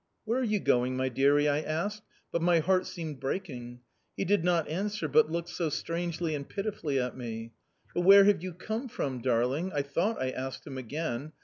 ' Where are you going, my dearie ?' I asked, but my heart seemed breaking. He did not answer, but looked so strangely and pitifully at me. 'But where have you come from, darling?' I thought I asked him again.